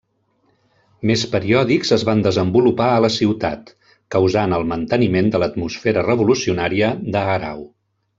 Més periòdics es van desenvolupar a la ciutat, causant el manteniment de l'atmosfera revolucionària d'Aarau.